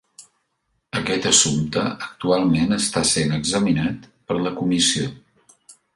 Aquest assumpte actualment està sent examinat per la Comissió.